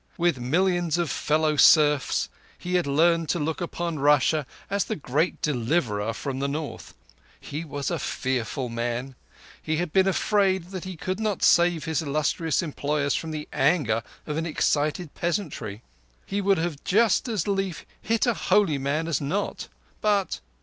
With millions of fellow serfs, he had learned to look upon Russia as the great deliverer from the North. He was a fearful man. He had been afraid that he could not save his illustrious employers from the anger of an excited peasantry. He himself would just as lief hit a holy man as not, but